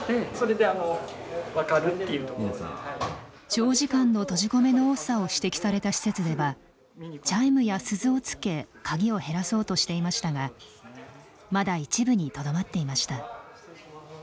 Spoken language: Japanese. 長時間の閉じ込めの多さを指摘された施設ではチャイムや鈴をつけ鍵を減らそうとしていましたがまだ一部にとどまっていました。